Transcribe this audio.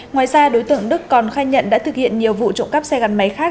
ngoài ra đối tượng đức còn khai nhận đã thực hiện nhiều vụ trộm cắp xe gắn máy khác